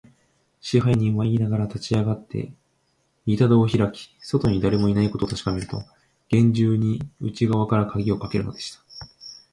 支配人はいいながら、立ちあがって、板戸をひらき、外にだれもいないことをたしかめると、げんじゅうに内がわからかぎをかけるのでした。